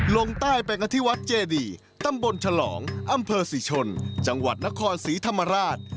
ลงใต้ไปกันที่วัดเจดีตำบลฉลองอำเภอศรีชนจังหวัดนครศรีธรรมราช